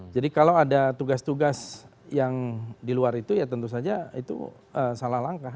jadi kalau ada tugas tugas yang di luar itu ya tentu saja itu salah langkah